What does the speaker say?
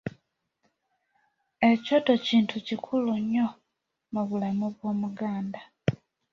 Ekyoto kintu kikulu nnyo mu bulamu bw’Omuganda.